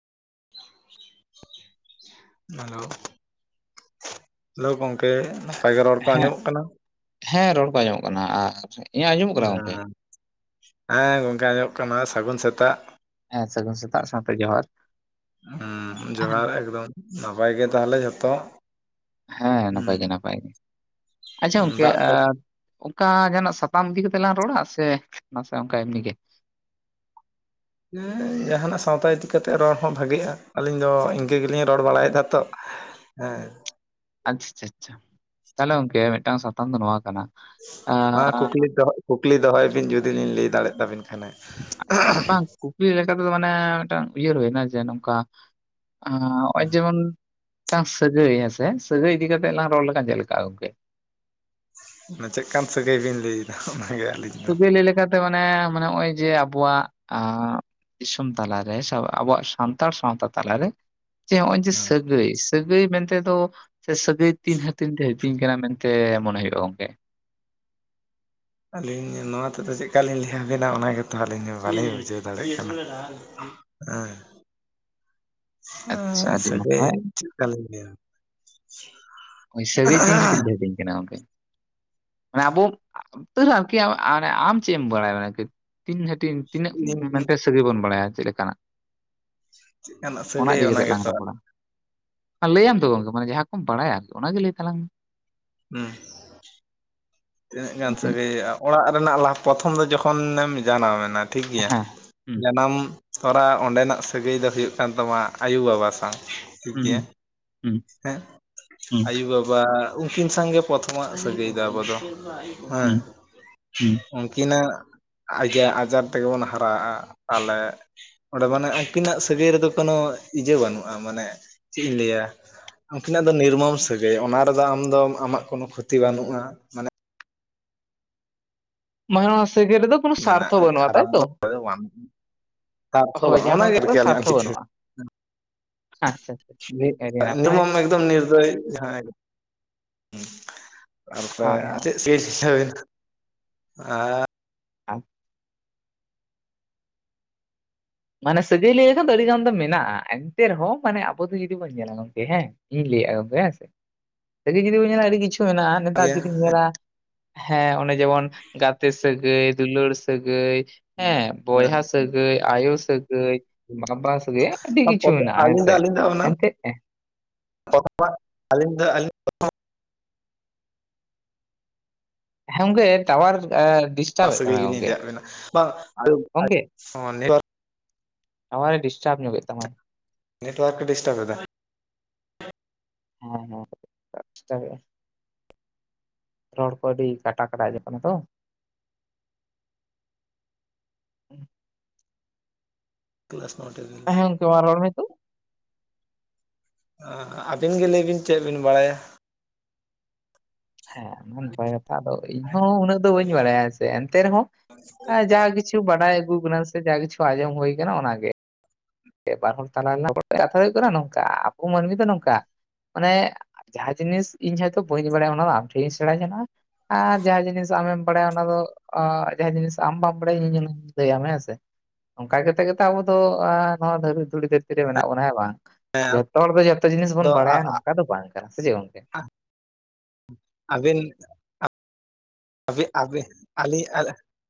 Hello hello ᱜᱚᱝᱠᱮ ᱵᱷᱟᱜᱮ ᱨᱚᱲ ᱠᱚ ᱦᱮᱸ, ᱟᱸᱡᱚᱢᱚᱜ ᱠᱟᱱᱟ? ᱦᱮᱸ ᱨᱚᱲ ᱠᱚ ᱟᱡᱚᱢᱚᱜ ᱠᱟᱱᱟ ᱟᱨ ᱤᱧᱟᱹᱜ ᱟᱸᱡᱚᱢᱚᱜ ᱠᱟᱱᱟ ᱜᱚᱝᱠᱮ? ᱦᱮᱸ ᱜᱚᱝᱠᱮ ᱟᱸᱡᱚᱢᱚᱜ ᱠᱟᱱᱟ ᱥᱟᱹᱜᱩᱱ ᱥᱮᱛᱟᱜ᱾ ᱦᱮᱸ ᱥᱟᱹᱜᱩᱱ ᱥᱮᱛᱟᱜ ᱥᱟᱶᱛᱮ ᱡᱚᱦᱟᱨ ᱡᱚᱦᱟᱨ [unintelligible] ᱮᱠᱫᱚᱢ ᱱᱟᱯᱟᱭ ᱜᱮ ᱛᱟᱦᱚᱞᱮ ᱡᱷᱚᱛᱚ? ᱦᱮᱸ ᱱᱟᱯᱟᱭ ᱦᱩᱸ ᱜᱮ ᱱᱟᱯᱟᱭ ᱜᱮ ᱟᱪᱪᱷᱟ ᱜᱚᱝᱠᱮ ᱫᱟᱜ ᱠᱚ ᱟᱯ ᱚᱠᱟ ᱡᱟᱦᱟᱱᱟᱜ ᱥᱟᱛᱟᱢ ᱤᱫᱤ ᱠᱟᱛᱮᱜ ᱞᱟᱝ ᱨᱚᱲᱟ ᱥᱮ ᱱᱟᱥᱮ ᱚᱱᱠᱟ ᱮᱢᱱᱤ ᱜᱮ? ᱡᱟᱦᱟᱱᱟᱜ ᱥᱟᱶᱛᱟ ᱤᱫᱤ ᱠᱟᱛᱮ ᱨᱚᱲ ᱦᱚᱸ ᱵᱷᱟᱜᱮᱜᱼᱟ ᱟᱹᱞᱤᱧ ᱫᱚ ᱤᱱᱠᱟᱹ ᱜᱮᱞᱤᱧ ᱨᱚᱲ ᱵᱟᱲᱟᱭᱮᱫᱟ ᱛᱚ᱾ ᱦᱮᱸ ᱟᱪᱷᱟ ᱪᱟᱪᱷᱟ ᱛᱟᱦᱚᱞᱮ ᱜᱚᱝᱠᱮ ᱢᱤᱫᱴᱟᱝ ᱥᱟᱛᱟᱢ ᱫᱚ ᱱᱚᱣᱟ ᱠᱟᱱᱟ ᱢᱟ ᱟᱸᱻ ᱠᱩᱠᱞᱤ ᱫᱚᱦᱚ ᱠᱩᱠᱞᱤ ᱫᱚᱦᱚᱭ ᱵᱤᱱ ᱡᱩᱫᱤ ᱞᱤᱧ ᱞᱟᱹᱭ ᱫᱟᱲᱮᱭᱟᱜ ᱛᱟᱵᱤᱱ ᱠᱷᱟᱱ ᱦᱟᱸᱜ ᱾ ᱟᱪᱪᱷᱟ ᱢᱤᱫᱴᱟᱝ ᱠᱩᱠᱞᱤ ᱞᱮᱠᱟ ᱛᱮᱫᱚ ᱢᱟᱱᱮ ᱢᱤᱫᱴᱟᱝ ᱩᱭᱦᱟᱹᱨ ᱵᱷᱟᱵᱱᱟ ᱡᱮ ᱱᱚᱝᱠᱟ ᱚᱸ ᱦᱚᱸᱜᱼᱚᱭ ᱡᱮᱢᱚᱱ ᱢᱤᱫᱴᱟᱝ ᱥᱟᱹᱜᱟᱹᱭ ᱦᱮᱸᱥᱮ ᱥᱟᱹᱜᱟᱹᱭ ᱤᱫᱤ ᱠᱟᱛᱮᱜ ᱞᱟᱝ ᱨᱚᱲ ᱞᱮᱠᱷᱟᱱ ᱪᱮᱫ ᱞᱮᱠᱟᱜᱼᱟ ᱜᱚᱝᱠᱮ? ᱪᱮᱫᱠᱟᱱ ᱥᱟᱹᱜᱟᱹᱭ ᱵᱤᱱ ᱞᱟᱹᱭᱫᱟ ᱚᱱᱟᱜᱮ ᱟᱹᱞᱤᱧ ᱥᱟ. ᱫᱚ ᱜᱟᱹᱭ ᱞᱟᱭ ᱞᱮᱠᱟᱛᱮ ᱢᱟᱱᱮ ᱱᱚᱜᱼᱚᱭ ᱡᱮ ᱟᱵᱚᱣᱟᱜ ᱟᱸ ᱫᱤᱥᱚᱢ ᱛᱟᱞᱟᱨᱮ ᱟᱵᱚᱣᱟᱜ ᱥᱟᱱᱛᱟᱲ ᱥᱟᱶᱛᱟ ᱛᱟᱞᱟᱨᱮ ᱡᱮ ᱱᱚᱜᱼᱚᱭ ᱡᱮ ᱦᱮᱸ ᱥᱟᱹᱜᱟᱹᱭ, ᱥᱟᱹᱜᱟᱹᱭ ᱢᱮᱱᱛᱮ ᱫᱚ ᱥᱮ ᱥᱟᱹᱜᱟᱹᱭ ᱛᱤᱱ ᱦᱟᱛᱤᱧ ᱛᱮ ᱦᱛᱤᱧ ᱠᱟᱱᱟ ᱢᱮᱱᱛᱮ ᱢᱚᱱᱮ ᱦᱩᱭᱩᱜᱼᱟ ᱜᱚᱝᱠᱮ᱾ ᱟᱹᱞᱤᱧ ᱱᱚᱣᱟ ᱛᱮᱫᱚ ᱪᱮᱫ ᱠᱟ ᱞᱤᱧ ᱞᱟᱹᱭᱟ ᱵᱤᱱᱟ ᱚᱱᱟ ᱜᱮᱛᱚ ᱟᱹᱞᱤᱧ ᱵᱟᱹᱞᱤᱧ ᱵᱩᱡᱷᱟᱹᱣ ᱫᱟᱲᱮᱭᱟᱜ ᱠᱟᱱᱟ᱾ ᱟᱪᱪᱷᱟ ᱮᱸ ᱟᱹᱰᱤ ᱥᱟᱹᱜᱟᱹᱭ ᱱᱟᱯᱟᱭ ᱪᱮ ᱪᱮᱫ ᱠᱟ ᱞᱤᱧ ᱞᱮᱭᱟ [inaudible] ᱥᱟᱹᱜᱟᱹᱭ ᱛᱤᱱ ᱦᱟᱴᱤᱧ ᱛᱮ ᱦᱟᱴᱤᱧ ᱾ ᱜᱚᱝᱠᱮ ᱢᱟᱱᱮ ᱟᱵᱚ ᱛᱟᱨᱮᱦᱚ ᱟᱨᱠᱤ ᱟᱢ ᱪᱮᱫ ᱮᱢ ᱵᱟᱲᱟᱭᱟ ᱢᱟᱱᱮ ᱠᱟᱹᱡ᱾ ᱛᱤᱱ ᱦᱟᱹᱴᱤᱧ ᱛᱤᱱᱟᱹᱜ ᱢᱮᱱᱛᱮ ᱞᱮᱠᱟᱱᱟᱜ ᱥᱟᱹᱜᱤ ᱵᱚᱱ ᱵᱟᱲᱟᱭᱟ ᱪᱮᱫ ᱞᱮᱠᱟᱱᱟᱜ᱾ ᱚᱱᱟ ᱤᱫᱤ ᱥᱟᱹᱜᱟᱹᱭ ᱠᱟᱛᱮᱜ ᱞᱟᱝ ᱜᱮᱛᱚ ᱟᱨ ᱨᱚᱯᱚᱲᱟ᱾ ᱞᱟᱹᱭᱟᱢ ᱛᱚ ᱜᱚᱢᱠᱮ ᱢᱟᱱᱮ ᱡᱟᱦᱟᱸ ᱠᱚᱢ ᱵᱟᱲᱟᱭᱟ ᱚᱱᱟᱜᱮ ᱞᱟᱹᱭ ᱛᱟᱞᱟᱝ ᱢᱮ᱾ ᱦᱩᱸ᱾ ᱛᱤᱱᱟᱹᱜ ᱜᱟᱱ ᱥᱟᱹᱜᱟᱹᱭᱼᱟ ᱚᱲᱟᱜ ᱞᱟᱝ ᱯᱨᱚᱛᱷᱚᱢ ᱫᱚ ᱡᱚᱠᱷᱚᱱᱮᱢ ᱡᱟᱱᱟᱢ ᱮᱱᱟ ᱴᱷᱤᱠ ᱜᱮᱭᱟ᱾ ᱦᱮᱸ ᱦᱩᱸ ᱡᱟᱱᱟᱢ ᱛᱚᱨᱟ ᱚᱸᱰᱮᱱᱟᱜ ᱥᱟᱹᱜᱟᱹᱭ ᱫᱚ ᱦᱩᱭᱩᱜ ᱠᱟᱱ ᱛᱟᱢᱟ ᱟᱭᱳ ᱵᱟᱵᱟ ᱥᱟᱶ᱾ ᱴᱷᱤᱠ ᱜᱮᱭᱟ ᱦᱩᱸ ᱦᱩᱸ᱾ ᱦᱮᱸ ᱦᱩᱸ ᱟᱭᱳ ᱵᱟᱵᱟ ᱩᱱᱠᱤᱱ ᱥᱟᱝ ᱜᱮ ᱯᱨᱚᱛᱷᱚᱢᱟᱜ ᱥᱟᱹᱜᱟᱹᱭ ᱫᱚ ᱟᱵᱚ ᱫᱚ ᱾ ᱦᱮᱸ᱾ ᱦᱩᱸ ᱦᱩᱸ ᱩᱱᱠᱤᱱᱟᱜ ᱟᱡ ᱟᱡᱟᱨ ᱛᱮᱜᱮ ᱵᱚᱱ ᱦᱟᱨᱟᱜᱼᱟ ᱛᱟᱦᱚᱞᱮ᱾ ᱚᱸᱰᱮ ᱢᱟᱱᱮ ᱩᱱᱠᱤᱱᱟᱜ ᱥᱟᱹᱜᱟᱹᱭ ᱨᱮᱫᱚ ᱠᱳᱱᱳ ᱤᱭᱟᱹ ᱵᱟᱹᱱᱩᱜᱼᱟ ᱢᱟᱱᱮ ᱪᱮᱫ ᱤᱧ ᱞᱟᱹᱭᱟ᱾ ᱩᱱᱠᱤᱱᱟᱜ ᱫᱚ ᱱᱤᱨᱢᱚᱢ ᱥᱟᱹᱜᱟᱹᱭ ᱚᱱᱟ ᱨᱮᱫᱚ ᱟᱢ ᱟᱢᱟᱜ ᱠᱳᱱᱳ ᱠᱷᱚᱛᱤ ᱵᱟᱹᱱᱩᱜᱼᱟ, ᱢᱟᱱᱮ, ᱢᱟᱱᱣᱟ ᱥᱟᱹᱜᱟᱹᱭ ᱨᱮᱫᱚ ᱠᱚᱱᱚ ᱥᱟᱨᱛᱚ ᱢᱮᱱᱟᱜᱼᱟ ᱵᱟᱹᱱᱩᱜᱼᱟ ᱠᱷᱟᱨᱟᱯ ᱛᱟᱭᱛᱚ ᱫᱚ ᱵᱟᱝ ᱾ ᱥᱟᱨᱛᱷ ᱦᱳᱭ ᱵᱟᱝ ᱡᱟᱦᱟᱸ ᱠᱚ ᱚᱱᱟᱜᱮ ᱢᱮᱛᱟ ᱟᱨᱠᱤ ᱠᱚᱣᱟ ᱟᱹᱞᱤᱧᱟᱜ ᱥᱣᱟᱥᱨᱛᱷᱚ ᱪᱤᱛᱟᱹᱨ ᱵᱟᱹᱱᱩᱜᱼᱟ ᱾ ᱟᱪᱪᱷᱟ ᱟᱪᱪᱷᱟ ᱴᱷᱤᱠ ᱴᱷᱤᱠ ᱟᱹᱰᱤ ᱱᱟᱯᱟᱭ ᱱᱤᱨᱢᱚᱢ ᱾ ᱮᱠᱫᱚᱢ ᱱᱤᱨᱫᱚᱭ ᱾ ᱡᱟᱦᱟᱸ ᱛᱟᱨᱯᱚ ᱦᱳᱭ ᱦᱳᱭ ᱨᱮ ᱪᱮᱫ᱾ [unintelligible] [inaudible] ᱢᱟᱱᱮ ᱥᱟᱹᱜᱟᱹᱭ ᱞᱟᱹᱭ ᱞᱮᱠᱷᱟᱱ ᱫᱚ ᱟᱹᱰᱤ ᱜᱟᱱ ᱫᱚ ᱢᱮᱱᱟᱜᱼᱟ, ᱮᱱᱛᱮ ᱨᱮᱦᱚᱸ ᱢᱟᱱᱮ ᱟᱵᱚ ᱫᱚ ᱡᱩᱫᱤ ᱵᱚᱱ ᱧᱮᱞᱟ ᱜᱚᱝᱠᱮ ᱦᱮᱸ, ᱤᱧ ᱞᱟᱹᱭᱮᱫᱼᱟ ᱜᱚᱝᱠᱮ ᱦᱮᱸ ᱥᱮ ᱾ᱥᱟᱹᱜᱟᱹᱭ ᱡᱩᱫᱤ ᱵᱚᱱ ᱞᱟᱹᱭᱟ ᱡᱩᱫᱤ ᱟᱹᱰᱤ ᱠᱤᱪᱷᱩ ᱢᱮᱱᱟᱜᱼᱟ ᱾ ᱱᱮᱛᱟᱨ ᱤᱭᱟᱹ ᱡᱩᱫᱤᱧ ᱧᱮᱞᱟ, ᱦᱮᱸ ᱚᱱᱮ ᱡᱮᱢᱚᱱ ᱜᱟᱛᱮ ᱥᱟᱹᱜᱟᱹᱭ, ᱫᱩᱞᱟᱹᱲ ᱥᱟᱹᱜᱟᱹᱭ, ᱦᱮᱸ ᱵᱚᱭᱦᱟ ᱥᱟᱹᱜᱟᱹᱭ, ᱟᱭᱳ᱾ ᱥᱟᱹᱜᱟᱹᱭ, ᱦᱮᱸ ᱵᱟᱵᱟ ᱥᱟᱹᱜᱟᱹᱭ, ᱟᱹᱰᱤ ᱠᱤᱪᱷᱩ ᱢᱮᱱᱟᱜᱼᱟ ᱟᱹᱞᱤᱧ ᱫᱚ ᱦᱮᱸᱥᱮ ᱟᱹᱞᱤᱧ ᱫᱚ ᱚᱱᱟ ᱮᱱᱛᱮᱫ, [inaudible] ᱟᱹᱞᱤᱧ ᱫᱚ ᱟᱹᱞᱤᱧ, ᱦᱮᱸ ᱜᱚᱝᱠᱮ ᱛᱟᱣᱟᱨ ᱮ ᱰᱤᱥᱼᱼ ᱱᱚᱣᱟ ᱥᱟᱹᱜᱟᱹᱭ ᱜᱮᱞᱤᱧ ᱞᱟᱹᱭᱟᱜ ᱵᱮᱱᱟ [unintelligible] ᱴᱟᱣᱟᱨ ᱮ ᱰᱤᱥᱴᱟᱨᱵᱽ ᱧᱚᱜ ᱮᱫ᱾ ᱱᱮᱴᱣᱟᱨᱠ ᱮ ᱰᱤᱥᱴᱟᱵᱽ ᱮᱫᱟ ᱾ ᱦᱮᱸ ᱦᱮᱸ ᱪᱮᱠᱟᱭ ᱦᱩᱭᱩᱜᱼᱟ ᱾ ᱨᱚᱲ ᱠᱚ ᱟᱹᱰᱤ ᱠᱟᱴᱟ ᱠᱟᱴᱟ ᱟᱸᱡᱚᱢᱚᱜ ᱠᱟᱱᱟ ᱛᱚ ᱾ [unintelligible] ᱦᱮᱸ ᱜᱚᱝᱠᱮ ᱢᱟ ᱨᱚᱲ ᱱᱮᱛᱚᱜ᱾ ᱟᱹᱵᱤᱱ ᱜᱮ ᱞᱟᱹᱭ ᱵᱤᱱ ᱪᱮᱫ ᱵᱤᱱ ᱵᱟᱲᱟᱭᱟ᱾ ᱦᱮᱸ ᱱᱟᱯᱟᱭ ᱠᱟᱛᱷᱟ ᱾ ᱟᱫᱚ ᱤᱧᱦᱚᱸ ᱩᱱᱟᱹᱜ ᱫᱚ ᱵᱟᱹᱧ ᱵᱟᱲᱟᱭᱟ, ᱥᱮ ᱮᱱᱛᱮ ᱨᱮᱦᱚᱸ ᱡᱟᱦᱟᱸ ᱠᱤᱪᱷᱩ᱾ ᱠᱤᱪᱷᱩ ᱵᱟᱰᱟᱭ ᱟᱹᱜᱩ ᱟᱠᱟᱱᱟ ᱥᱮ ᱡᱟ ᱠᱤᱪᱷᱩ ᱟᱸᱡᱚᱢ ᱦᱩᱭ ᱟᱠᱟᱱᱟ, ᱚᱱᱟ ᱜᱮ᱾ ᱵᱟᱨ ᱦᱚᱲ ᱛᱟᱞᱟ ᱨᱮᱞᱟᱜ ᱜᱚᱴᱟᱭᱟ ᱾ ᱠᱟᱛᱷᱟ ᱦᱩᱭᱩᱜ ᱠᱟᱱᱟ ᱱᱚᱝᱠᱟ, ᱟᱵᱚ ᱢᱟᱹᱱᱢᱤ ᱫᱚ ᱱᱚᱝᱠᱟ, ᱢᱟᱱᱮ, ᱡᱟᱦᱟᱸ ᱡᱤᱱᱤᱥ ᱤᱧ ᱦᱚᱭᱛᱳ ᱵᱟᱹᱧ ᱵᱟᱲᱟᱭᱟ, ᱚᱱᱟᱫᱚ ᱟᱢ ᱴᱷᱮᱱᱤᱧ ᱥᱮᱬᱟ ᱡᱚᱱᱟᱜᱼᱟ ᱾ ᱟᱨ ᱡᱟᱦᱟᱸ ᱡᱤᱱᱤᱥ ᱟᱢᱮᱢ ᱵᱟᱲᱟᱭᱟ ᱚᱱᱟ ᱫᱚ ᱟᱹ ᱡᱟᱦᱟᱸ ᱡᱤᱱᱤᱥ ᱟᱢ ᱵᱟᱢ ᱵᱟᱲᱟᱭᱟ, ᱤᱧ ᱞᱟᱹᱭᱟᱢ ᱦᱮᱸ ᱥᱮ? ᱚᱱᱠᱟ ᱠᱟᱛᱮᱜ ᱜᱮᱛᱚ ᱟᱵᱚ ᱫᱚ ᱚᱱᱟ ᱛᱚ ᱫᱷᱩᱲᱤ ᱫᱷᱟᱹᱨᱛᱤ ᱨᱮ ᱢᱮᱱᱟᱜ ᱵᱚᱱᱟ ᱦᱮᱸ ᱵᱟᱝ? ᱡᱚᱛᱚ ᱦᱚᱲ ᱫᱚ ᱡᱚᱛᱚ ᱡᱤᱱᱤᱥ ᱵᱚᱱ ᱟᱫᱚ ᱵᱟᱲᱟᱭᱟ ᱱᱚᱝᱠᱟ ᱫᱚ ᱵᱟᱝ ᱾ ᱥᱮ ᱪᱮᱫ ᱜᱚᱝᱠᱮ? ᱟᱹᱵᱤᱱ ᱟᱹᱵᱤᱱ ᱟᱹᱞᱤᱧ [unintelligible]